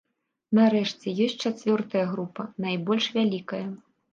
Нарэшце, ёсць чацвёртая група, найбольш вялікая.